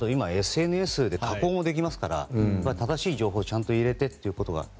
今、ＳＮＳで加工もできますから正しい情報を入れてということが。